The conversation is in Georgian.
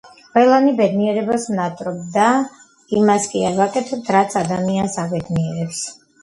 ყველანი ბედნიერებას ვნატრობთ და იმას კი არ ვაკეთებთ, რაც ადამიანს აბედნიერებს